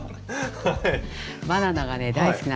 はい。